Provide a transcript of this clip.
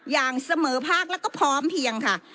อย่างเสมอภาคแล้วก็พร้อมเพียงค่ะ